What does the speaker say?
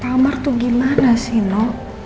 pak amar tuh gimana sih no